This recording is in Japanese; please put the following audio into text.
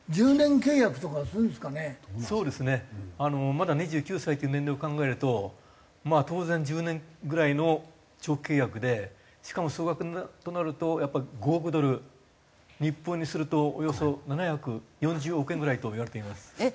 まだ２９歳っていう年齢を考えると当然１０年ぐらいの長期契約でしかも総額となるとやっぱり５億ドル日本円にするとおよそ７４０億円ぐらいといわれています。